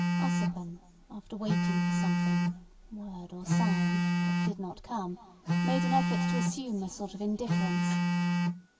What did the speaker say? Ossipon after waiting for something, word or sign, that did not come, made an effort to assume a sort of indifference.